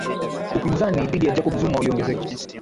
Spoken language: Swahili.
upinzani dhidi ya jacob zuma uliongezeka